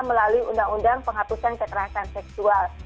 melalui undang undang penghapusan kekerasan seksual